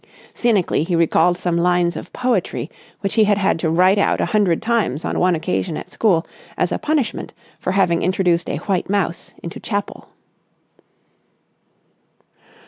Cynically, he recalled some lines of poetry which he had had to write out a hundred times on one occasion at school as a punishment for having introduced a white mouse into chapel.